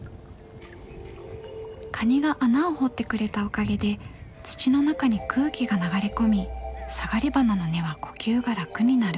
カニが穴を掘ってくれたおかげで土の中に空気が流れ込みサガリバナの根は呼吸が楽になる。